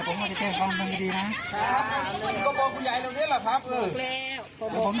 ครับคุณพุทธแม่งก็บอกใหญ่แล้วนี้แหละครับ